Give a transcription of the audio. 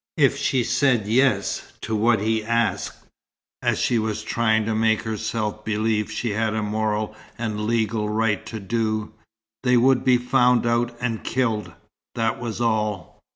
If she said "yes" to what he asked, as she was trying to make herself believe she had a moral and legal right to do, they would be found out and killed, that was all.